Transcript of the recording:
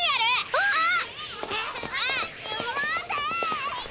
うわーっ！